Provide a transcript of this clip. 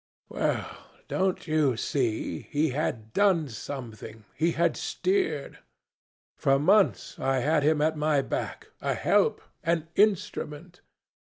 Well, don't you see, he had done something, he had steered; for months I had him at my back a help an instrument.